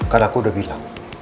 kan aku udah bilang